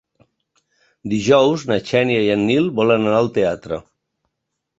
Dijous na Xènia i en Nil volen anar al teatre.